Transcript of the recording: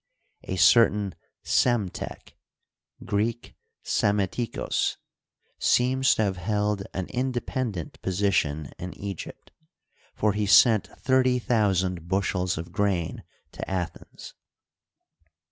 a certain Psemtek (Greek, Psammetichos) seems to have held an independent position in Egypt, for he sent thirty thousand bushels of grain to Athens.